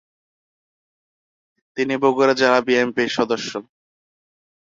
তিনি বগুড়া জেলা বিএনপির সদস্য।